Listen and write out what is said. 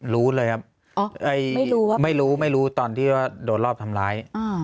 รู้เลยครับไม่รู้ไม่รู้ตอนที่ว่าโดนรอบทำร้าย